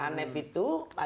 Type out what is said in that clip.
dari bapak bapak